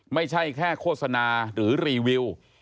ไม่ใช่แค่โฆษณาหรือรีวิว